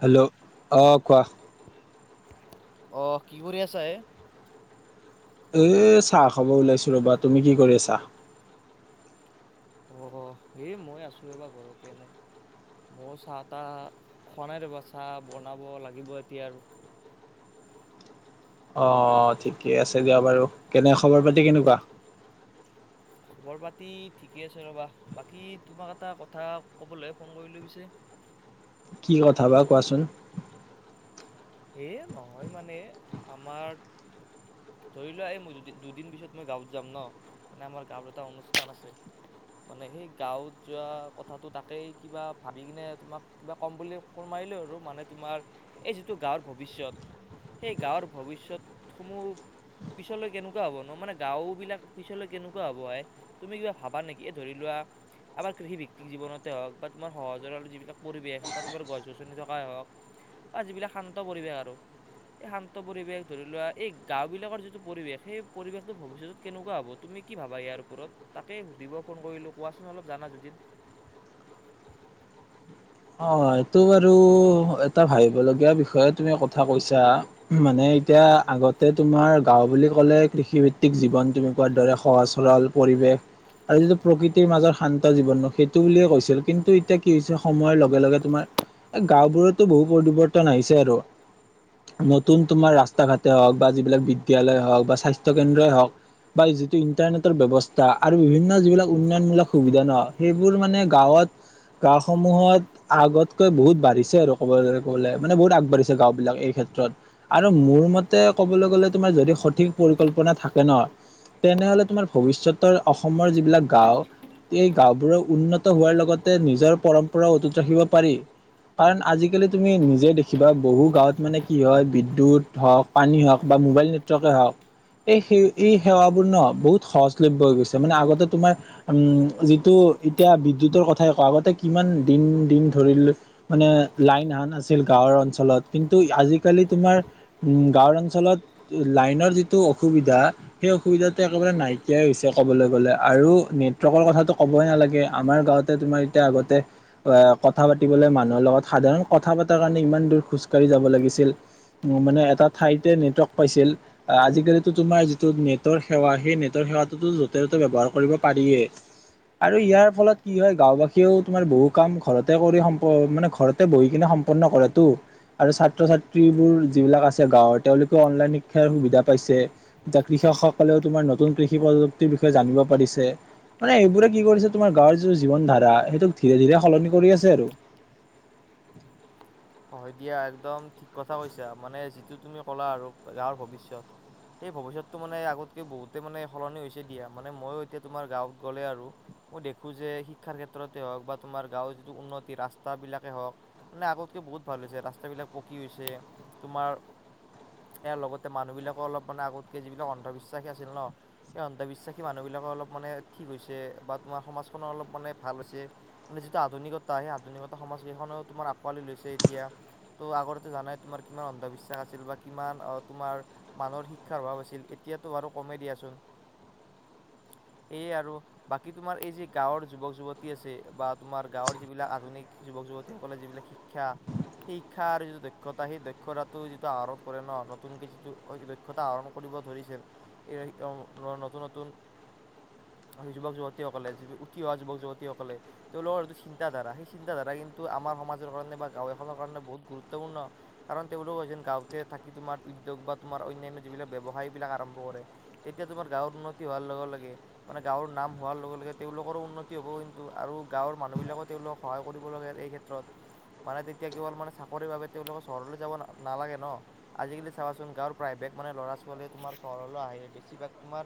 Hello অ, কোৱা। অ' কি কৰি আছা হে? এ চাহ খাব ওলাইছোঁ ৰ'বা, তুমি কি কৰি আছা? অ', এ মই আছোঁ ৰ'বা ঘৰতে এনে। মই চাহ তাহ, খোৱা নাই ৰ'বা চাহ বনাব লাগিব এতিয়া আৰু। অ', ঠিকে আছে দিয়া বাৰু, কেনে খবৰ পাতি কেনেকুৱা? খবৰ পাতি ঠিকে আছে ৰ'বা, বাকী তোমাক এটা কথা কবলৈহে ফোন কৰিলোঁ পিছে। কি কথা বা কোৱাচোন। এ নহয় মানে, আমাৰ ধৰি লোৱা এই মোৰ দুদি-দুদিন পিছত মই গাঁৱত যাম ন' মানে, আমাৰ গাঁৱত এটা অনুষ্ঠান আছে। মানে সেই গাঁৱত যোৱা কথাটো তাকেই কিবা ভাবি কিনে তোমাক কিবা কম বুলি ফোন [unintelligible] মানে তোমাৰ, এই [unintelligible] টো গাঁৱৰ ভৱিষ্যত। সেই গাঁৱৰ ভৱিষ্যতসমূহ পিছলৈ কেনেকুৱা হ'ব ন' মানে গাঁওবিলাক পিছলৈ কেনেকুৱা হ'ব এ, তুমি কিবা ভাবা নেকি, এ ধৰি লোৱা আমাৰ কৃষিভিত্তিক জীৱনতে হওক বা তোমাৰ সহজৰল যিবিলাক পৰিৱেশ বা তোমাৰ গছ গছনি থকাই হওক বা যিবিলাক শান্ত পৰিৱেশ আৰু এই শান্ত পৰিৱেশ ধৰি লোৱা, এই গাওঁ বিলাকৰ যিটো পৰিৱেশ, সেই পৰিৱেশটো ভৱিষ্যতত কেনেকুৱা হ'ব? তুমি তুমি কি ভাবা ইয়াৰ ওপৰত তাকে সুধিব ফোন কৰিলো কোৱাচোন অলপ জানা যদিন অ এইটো বাৰু এটা ভাবিবলগীয়া বিষয়ে তুমি কথা কৈছা মানে এতিয়া আগতে তোমাৰ গাওঁ বুলি ক'লে কৃষিভিত্তিক জীৱন তুমি কোৱাৰ দৰে সহজ সৰল পৰিৱেশ আৰু যিটো প্ৰকৃতিৰ মাজৰ শান্ত জীৱন ন সেইটো বুলিয়ে কৈছিল কিন্তু এতিয়া কি হৈছে সময়ৰ লগে লগে তোমাৰ এ গাওবোৰতো বহুত পৰিৱৰ্তন আহিছে আৰু নতুন তোমাৰ ৰাস্তা ঘাটেই হওক বা যিবিলাক বিদ্যালয় হওক বা স্বাস্থ্য কেন্দ্ৰই হওক বা যিটো ইন্টাৰনেটৰ ব্যৱস্থা আৰু বিভিন্ন যিবিলাক উন্নয়নমূলক সুবিধা ন সেইবোৰ মানে গাঁৱত গাঁসমূহত আগতকৈ বহুত বাঢ়িছে আৰু ক'ব গ কবলে মানে বহুত আগবাঢ়িছে গাঁও বিলাক এই ক্ষেত্ৰত আৰু মোৰ মতে ক'বলৈ গ'লে তোমাৰ যদি সঠিক পৰিকল্পনা থাকে ন তেনেহলে তোমাৰ ভৱিষ্যতৰ অসমৰ যিবিলাক গাও এই গাওবোৰ উন্নত হোৱাৰ লগতে নিজৰ পৰম্পৰা অটুট ৰাখিব পাৰি কাৰণ আজিকালি তুমি নিজে দেখিবা বহু গাঁৱত মানে কি হয় বিদ্য়ুত হওঁক পানী হওঁক বা মোবাইল নেটৱৰ্কে হওঁক এই স এই সেৱাবোৰ ন বহুত সহজলভ্য় হৈ গৈছে মানে আগতে তোমাৰ উম যিটো এতিয়া বিদ্যুতৰ কথাই ক আগতে কিমান দিন দিন ধৰিল মানে লাইন হান আছিল গাঁৱৰ অঞ্চলত কিন্তু আজিকালি তোমাৰ উম গাওৰ অঞ্চলত লাইনৰ যিটো অসুবিধা সেই অসুবিধাটো একেবাৰে নাইকিয়াই হৈছে কব কবলৈ গ'লে আৰু নেটৱৰ্কৰ কথাটো ক'বই নাগে আমাৰ গাওঁতে তোমাৰ এতিয়া আগতে অ কথা পাতিবলৈ মানুহৰ লগত সাধাৰণ কথা পতাৰ কাৰণে ইমান দূৰ খোজ ককাঢ়ি যাব লাগিছিল মানে এটা ঠাইতে নেটৱৰ্ক পাইছিল আজিকালিিতো তোমাৰ যিটো নেটৰ সেৱা সেই নেটৰ সেৱাটোতো য'তে ত'তে ব্যৱহাৰ কৰিব পাৰিয়েই আৰু ইয়াৰ ফলত কি হয় গাঁওবাসীয়েও তোমাৰ বহু কাম ঘৰত কৰি সম্প মানে ঘৰতে বহি কিনে সম্পন্ন কৰাটো আৰু ছাত্ৰ ছাত্ৰীবোৰ যিবিলাক আছে গাঁৱৰ তেওঁলোকেও অনলাইন শিক্ষাৰ সুবিধা পাইছে জাক কৃষকসকলেও তোমাৰ নতুন কৃষি প্ৰযুক্তিৰ বিষয়ে জানিব পাৰিছে মানে এইবোৰে কি কৰিছে তোমাৰ গাঁৱৰ যি জীৱন ধাৰা সেইটোক ধীৰে ধীৰে সলনি কৰি আছে জাৰ হয় দিয়া একদম ঠিক কথা কৈছা মানে যিটো তুমি ক'লা আৰু গাঁৱৰ ভৱিষ্যয়ত এই ভৱিষ্যতটো মানে আগতকে বহুতে মানে সলনি হৈছে দিয়া মানে মইয়ো এতিয়া তোমাৰ গাঁৱত গ'লে আৰু মই দেখো যে শিক্ষাৰ ক্ষেত্ৰতে হওক বা তোমাৰ গাঁৱৰ যিটো উন্নতি ৰাস্তা বিলাকে হওক মানে আগত বহুত ভাল হৈছে ৰাস্ত বিিলাক পকী হৈছে তোমাৰ ইয়াৰ লগতে মানুহ বিলাকে অলপ মানে আগতকে যিবিলাক অন্ধবিশ্বাস আছিল ন সেই অন্ধবিশ্বাসী মানুহ বিলাকো অলপ মানে ঠিক হৈছে বা তোমাৰ সমাজখনৰ অলপ মানে ভাল হৈছে যিটো আধুনিকতা সেই আধুনিকতা সমাজ্কেইখনেও তোমাৰ আঁকোৱালি লৈছে এতিয়া ত' আগতেো জানাই তোমাৰ কিমান অন্ধবিশ্বাস আছিল বা কিমান তোমাৰ মানুহৰ শিক্ষাৰ অভাৱ আছিল এতিয়াতো বাৰু কমে দিয়াচোন [unintelligible] সেয়ে আৰু বাকী তোমাৰ এই যেি গাঁৱৰ যুৱক যুৱতী আছে বা তোমাৰ গাঁৱৰ যিবিলাক আধুনিক যুৱক যুৱতীসকলে যিবিলাক শিক্ষা শিক্ষাৰ যিটো দক্ষতা সেই দক্ষতাটো যিটো আহৰণ কৰে ন নতুনক যিটো দক্ষতা আহৰণ কৰিব ধৰিছে নতুন নতুন [inaudible] যুৱক যুৱতীসকলে উঠি অহা যুৱক যুৱতীসকলে তেওঁলোকৰ যটো চিন্তাধ ধাৰা সেই চিন্তাধাৰা কিন্তু আমাৰ সমাজৰ কাৰণে বা গাঁৱে অসমৰ কাৰণে বহুত গুৰুত্বপূৰ্ণ কাৰণ তেওঁলোক গাতে থাকি তোমাৰ উদ্যোগ বা অন্যান্য যিবিলাক ায় বিাকম্তিয়া তমাৰ গৰ উন্ হেে মানে গৰ নাম হ কিন্ত আৰু গাঁৱৰ মানুহবিলাক তেওঁলোক সহায় কৰিবেত ম এতিয়া কেৱল মানে চাকৰিৰ বাবে তেওঁলোকৰ চহৰলৈ যাব নালাগে ন আজিকালি চাবাচোন গাঁৱৰ প্ৰায় বেগ মানে ল'ৰা াল তোমাৰ চহৰলৈ আহে বেছিভাগ তোমাৰ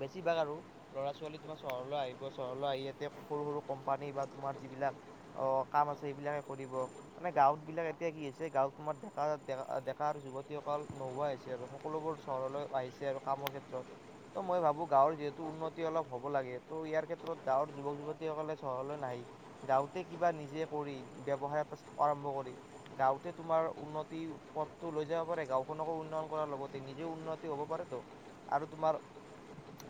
বেছিভাগ আৰু ল'ৰা ছোৱালী তোমাৰ চহৰলৈ আহিব চহৰলৈ আহি ইয়াতে সৰু সৰু কোম্পানী বা তমাৰ আমাৰ যিবিলাক অ কাম আছে সেইবিলাকে কৰিব মানে গাঁৱত বিলাক এতিয়া কি হৈছে গাঁওত তোমাৰ ডেকাকা ডেকা যুৱতীসকল নোহোৱা হৈছে সকলোবোৰ চহৰলৈ আহিছে আৰু কামৰ ক্ষেত্ৰত ত' মই ভাবো গাঁৱৰ যিহেতু উন্নতি অলপ হ'ব লাগে ত' ইয়াৰ ক্ষেত্ৰত গাঁৱৰ যুৱক যুৱতীসকলে চহৰলৈ নাহি গাওঁতে কিবা নিজে কৰি ব্যৱসায় এটা আৰম্ভ কৰি গাঁওঁতে তোমাৰ উন্নতি পথটো লৈ যাব পাৰে গাঁওখনকো কৰাৰ লগতে নিজে উন্নতি হ'ব পাৰে তো আৰু তোমাৰ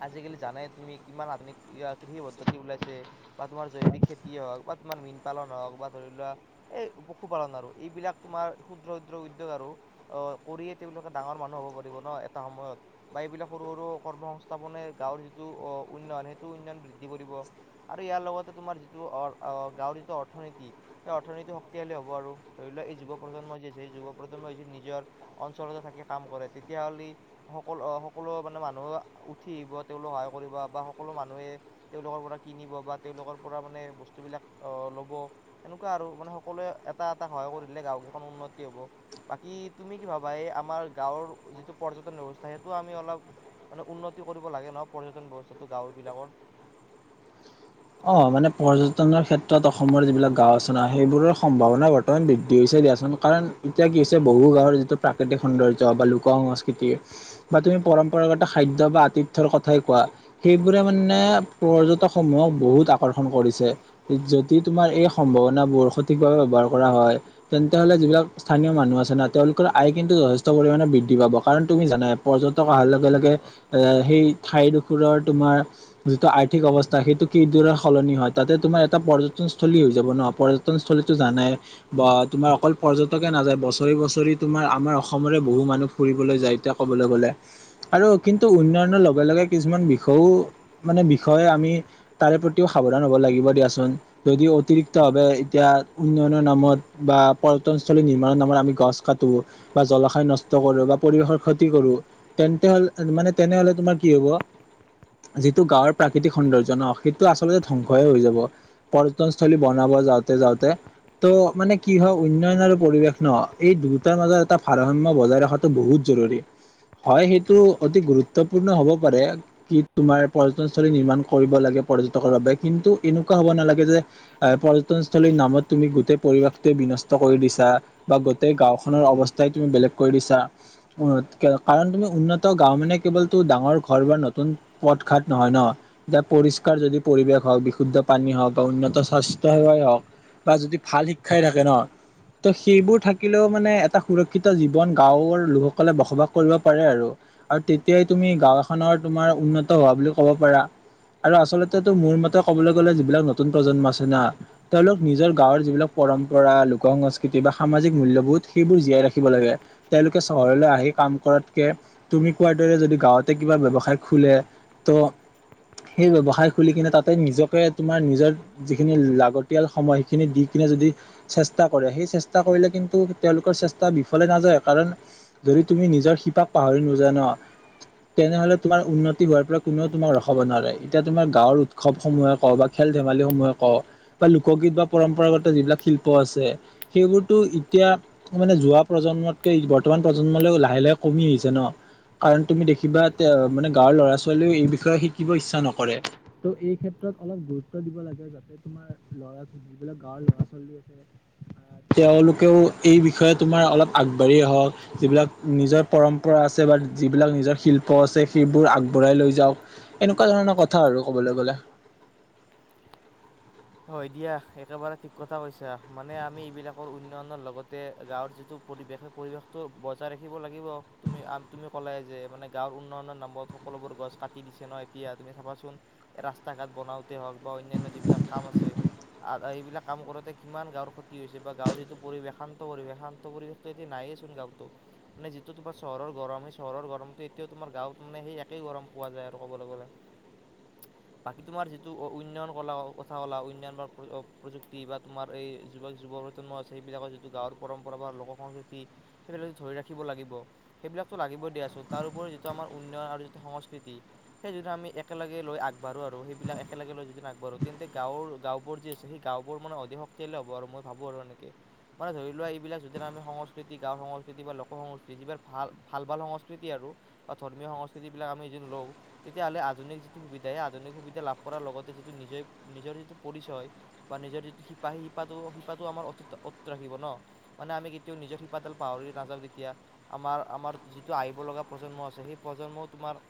আজিকালি জানে তুমি কিমান আধুনিক কৃষি পদ্ধতি ওলাইছে বা তোমাৰ জৈৱিক খেতিয়ে হওক ক'তমান মীন পালন হওক বা ধৰিলোৱা এই পশুপালন আৰু এইবিলাক তোমাৰ ক্ষুদ্ৰ ক্ষুদ্ৰ উদ্যোগ আৰু অ কৰিয়ে ডাঙৰ মানুহ হ'ব পাৰিব ন এটা সময়ত বা এইবিলাক সৰু সৰু কৰ্ম সংস্থাপনে গাঁৱৰ যিটো অ উন্নয়ন সেইটো উন্নয়ন বৃদ্ধি কৰিব আৰু ইয়াৰ লগতে তোমাৰ যিটো অ গাঁৱৰ যিটো অৰ্থনীতি স অৰ্থনীতি শক্তিশালী হ'ব আৰু ধৰি লোৱা এই যুৱ প্ৰজন্মই যি আছে যুৱ প্ৰজন্মই যি নিজৰ অঞ্চলত কৰে তেতিয়া হলে সকলো সকলো মানে মানুহে উঠি আহিব তেওঁলোক সহায় কৰিব বা বা সকলো মানুহে তেওঁলোকৰ পৰা কিনিব বা তেওঁলোকৰ পৰা মানে বস্তু বিলাক অ, লব সেনেকুৱা আৰু মানে সকলোৱে এটা এটা সহায় কৰিলে গাঁও কেইখন উন্নতি হব বাকী তুমি কি ভাবা এই আমাৰ গাঁৱৰ যিটো পৰ্যটন ব্যৱস্থা সেইটো আমি অলপ মানে উন্নতি কৰিব লাগে নহ পৰ্যটন ব্যৱস্থাটো। গাঁও বিলাকৰ [inaudible] অ মানে পৰ্যটনৰ ক্ষেত্ৰত অসম যিবিলাক গাও আচনা সেইবোৰৰ সম্ভাৱনা বৰ্তমান বৃদ্ধি হৈছে দিয়াচোন কাৰণ এতিয়া কি হৈছে বহু গাঁৱৰ যিটো প্ৰাকৃতিক সৌন্দৰ্য বা লোক সংস্কৃতি বা তুমি পৰম্পৰা খাদ্য বা আতিথ্যৰ কথাই কোৱা সেইবোৰে মানে পৰ্যটক সমূহক বহুত আকৰ্ষণ কৰিছে যদি তোমাৰ এই সম্ভাৱনাবোৰ সঠিকভাৱে ব্যৱহাৰ কৰা হয় তেন্তে হলে যিবিলাক স্থানীয় মানুহ আছে না তেওঁলোকৰ আয় কিন্তু যথেষ্ট পৰিমাণে বৃদ্ধি পাব কাৰণ তুমি জানা পৰ্যন অহাৰ লগে লগে সেই ঠাই দোষৰৰ তোমাৰ যিটো আৰ্থিক অৱস্থা সেইটো কিদৰে সলনি হয় তাতে তোমাৰ এটা পৰ্যটন স্থলী হৈ যাব ন পৰ্যটনস্থলীতো জানাই বা তোমাৰ অকল পৰ্যটকে নাযায় বছৰি বছৰি তোমাৰ আমাৰ অসমৰে বহু মানুহ ফুৰিবলৈ যায় এতিয়া ক'বলৈ গ'লে। আৰু কিন্তু উন্নয়নৰ লগে লগে কিছুমান বিষয়ও মানে বিষয়ে আমি তাৰে প্ৰতিও সাৱধান হ'ব লাগিব দিয়াচোন যদি অতিৰিক্তভাৱে এতিয়া উন্নয়নৰ নামত বা বা পৰ্যটনস্থলী নিৰ্মমানৰ নামত আমি গছ কাটো বা জলাশয় নষ্ট কৰো বা পৰিৱেশৰ ক্ষতি কৰো তেন্তে হলে মানে তেনেহলে তোমাৰ কি হব যিটো গাঁৱৰ প্ৰাকৃতিক সৌন্দৰ্য সেইটো আচলতে ধ্বংসই হৈ যাব পৰ্যটনস্থলী বনাব যাওঁতে যাওঁতে। ত' মানে কি হয় উন্নয়ন আৰু পৰিৱেশ ন এই দুয়টাৰ মাজত এটা ভাৰসাম্য় বজাই ৰখাটো বহুত জৰুৰী হয় সেইটো অতি গুৰুত্বপূৰ্ণ হব পাৰে কি তোমাৰ পৰ্যটনস্থলী নিৰ্মণ কৰিব লাগে। পৰ্যটকৰ বাবে কিন্তু এনেকুৱা হ'ব নালাগে যে এ পৰ্যটনস্থলীৰ নামত তুমি গোটেই পৰিৱেশটোৱে বিনষ্ট কৰি দিছা বা গোটেই গাওখনৰ অৱস্থাই তুমি বেলেগ কৰি দিছা কাৰণ তুমি উন্নত গাও মানে কেৱলতো ডাঙৰ ঘৰ বা নতুন পথ ঘাট নহয় ন যা পৰিষ্কাৰ যদি পৰিৱেশ হওক বিশুদ্ধ পানী হওক বা উন্নত স্বাস্থ্য সেৱাই হওক বা যদি ভাল শিক্ষাই থাকে ন ত' সেইবোৰ থাকিলেও মানে এটা সুৰক্ষিত জীৱন গাঁওৰ লোকসকলে বসবাস কৰিব পাৰে আৰু আৰু তেতিয়াই তুমি গাঁও এখনৰ তোমাৰ উন্নত হোৱা বুলি ক'ব পাৰা। আৰু আচলতে তটো মোৰ মতে ক'বলৈ গ'লে যিবিলাক নতুন প্ৰজন্ম আছে না তেওঁলোক নিজৰ গাঁৱৰ যিবিলাক পৰম পৰম্প লোক সংস্কৃতি বা সামাজিক মূল্যবোধ সেইবোৰ জীয়াই ৰাখিব লাগে তেওঁলোকে চহৰলৈ আহি কাম তকৈ তুমি কোৱাৰ দ যদি গাঁৱতে কিবা ব্যৱসায় খোলে ত' সেই ব্যৱসায় খুলি কিনে তাতে নিজকে তোমাৰ নিজৰ যিখিনি লাগতিয়াল সময় সেইখিনি দি কিনে যদি চেষ্টা কৰে সেই চেষ্টা কৰিলে কিন্তু তেওঁলোকৰ চেষ্টা বিফলে নাযায় কাৰণ যদি তুমি নিজৰ শিপাক পাহৰি নোযোৱা ন তেনেহলে তোমাৰ উন্নতি হোৱাৰ পৰা কোনেও তোমাক ৰখাব নোৱাৰে। এতিয়া তুমাৰ গাঁৱৰ উৎসৱ সমূহে ক বা খেল ধেমালি সমূহে কওঁ বা লোকগীত বা পৰম্পৰাগত যিবিলাক শিল্প আছে সেইবোৰতো এতিয়া মানে যোৱা প্ৰজন্ম প্ৰজন্মতকে বৰ্তমান প্ৰজন্মলৈ লাহে লাহে কমি আহিছে ন। কাৰণ তুমি দেখিবা এ মানে গাঁৱৰ ল'ৰা ছোৱালীও এই বিষয়ে শিকিব ইচ্ছা নক ত' এই ক্ষেত্ৰত অলপ গুৰুত্ব দিব লাগে যাতে তোমাৰ লৰা ছ যিবিলাক গাঁৱৰ ল'ৰা ছোৱালী [unintelligible] তেওঁলোকেও এই বিষয়ে তোমাৰ অলপ আগবাঢ়ি আহক যিবিলাক নিজৰ পৰম্পৰা আছে বা যিবিলাক নিজৰ শিল্প আছে সেইবোৰ আগবঢ়াই লৈ যাও এনেকুৱা ধৰণৰ কথা কথা আৰু ক'বলৈ গ'লে। হয় দিয়া একেবাৰে ঠিক কথা কৈছা মানে আমি এইবিলাকৰ উন্নয়নৰ লগতে গাৱৰ যিটো পৰিৱেশ সেই পৰিৱেশতটো বজাই ৰাখিব লাগিব তুমি, তুমি ক'লে যে মানে গাঁৱৰ উন্নয় নামত সকলোবোৰ গছ কাটি দিছে ন এতিয়া তুমি চাবাচোন ৰাস্তা ঘাট বনাওতে হওক বা অনান্য যিবিলাক কাম এইবিলাক কাম কৰোতে কিমান গাৱৰ ক্ষতি হৈছে বা গাৱৰ এইটো পৰিৱেশ শান্ত পৰিৱেশ - শান্ত পৰিৱেশ নাইে চোন গ মানে যিটো তোমাৰ চহৰ গৰম সেই চহৰৰ গৰমটো এয়াও তোমাৰ গাওত মানে সেই। সেই গৰম পোৱা যায় আৰু ক'বলৈ গ'লে। অ', বাকী তোমাৰ যিটো উন্নয়ন কলা কথা কলা উন্নয়ন বা প্ৰযুক্তি বা তোমাৰ এই যুৱক যুৱ প্ৰজন্ম আছে সেইবিলাকৰ যিটো গাঁৱৰ পৰম্পৰাগত লোক সংস্কৃতি সেইবিলাক ধৰি ৰাখিব লাগিব সেইবিলাকতো লাগিবই দিয়াচোন তাৰপৰি যিটো আমাৰ উন্নয়ন যিটো সংস্কৃতি সেই যিটো আমি একেলগে ল আগবঢ়ো আৰু সেইবিলাক একেলগে ল যিদি আগবাঢ়ো তেন্তে গাঁৱৰ গাঁওবোৰ যি আছে সেই গাঁওবোৰ মানে অধিক শক্তিশালে হ'ব আৰু মই ভাবো আৰু এনেকে মানে ধৰি লোৱা এইবিলাক যিদি আমি সংস্কৃতি গাও সংস্কৃতি বা লোক সংস্কৃতি যিবাক ভাল ভাল ভাল সংস্কৃতি আৰু। ধৰ্মীয় সংস্কৃতি বিলাক আমি য লও তেতিয়াহ'লে আধুিক যিটো সুবিধা আধুনিক সুবিধা লাভ কৰাৰ লগত তাতে যিটো নিজেইে নিজৰ যিটো পৰিচয় বা নিজৰ যিটো শিপা সেই শিপাটো শিপাটো আমাৰ অ - অ ৰাখিব ন। মানে আমি কেতিয়াও নিজৰ শিপাডাল পাহৰি নাযাও তেতিয়া আমাৰ - আমাৰ যিটো আহিবলগা প্ৰজন্ম আছে সেই জন্ম তোমাৰ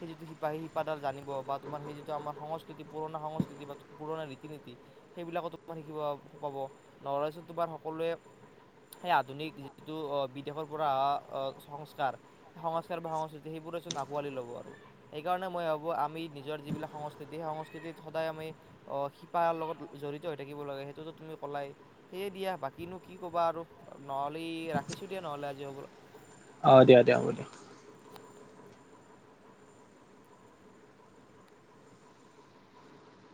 সেই যিটো শিপাহী শিপাডাৰ জানিব বা তুমাৰ সেই যিটো আমাৰ সাংস্কৃতি পুৰণা সংস্কৃতি। পুৰণা ৰীতি নীতি সেইবিলাকো তোমাৰ শিকিব পাব নহ'ৰাত তোমাৰ সকলোৱে সেই আধুনিক যিটো আহ বিদেশৰ পৰা অহা সংস্কাৰ সেই সংস্কাৰ বা সংস্কৃতি সেইবোৰ আকোৱালি ল'ব আৰু সেইকাৰণে মই ভাবো আমি নিজৰ যিবিলাক সংস্কৃতি সেই সংস্কৃতিত সদায় আমি শিপাৰ লগত জড়িত হৈ থাকিব লাগে সেইটোতো তুমি ক'লাই সেয় দিয়া বাকিনো কি ক'বা আৰু নহ'লে ৰাখিছো দিয়া নহলে আজি হ'ব। অ, দিয়া - দিয়া হ'ব দিয়া।